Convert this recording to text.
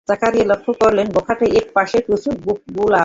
জাকারিয়া লক্ষ করলেন খাটের এক পাশে প্রচুর গোলাপ।